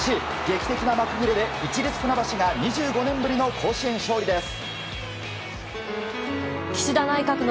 劇的な幕切れで市立船橋が２５年ぶりの甲子園勝利です。